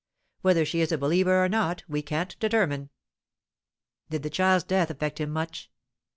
Whether she is a believer or not, we can't determine." "Did the child's death affect him much?"